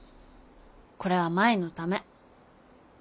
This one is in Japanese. これは舞のため。